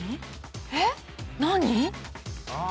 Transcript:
えっ？何？